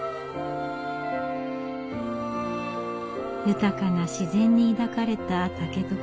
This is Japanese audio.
豊かな自然に抱かれた竹所。